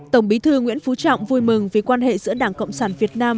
tổng bí thư nguyễn phú trọng vui mừng vì quan hệ giữa đảng cộng sản việt nam